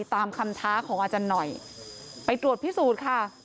ตามคำท้าของอาจารย์หน่อยไปตรวจพิสูจน์ค่ะ